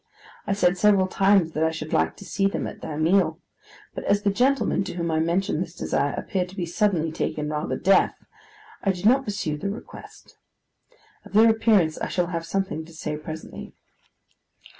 I said several times that I should like to see them at their meal; but as the gentleman to whom I mentioned this desire appeared to be suddenly taken rather deaf, I did not pursue the request. Of their appearance I shall have something to say, presently.